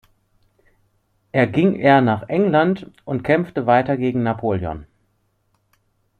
Er ging er nach England und kämpfte weiter gegen Napoleon.